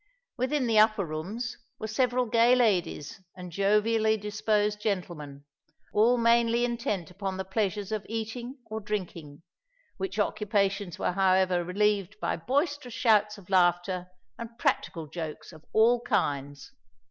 Within the upper rooms were several gay ladies and jovially disposed gentlemen, all mainly intent upon the pleasures of eating or drinking, which occupations were however relieved by boisterous shouts of laughter and practical jokes of all kinds.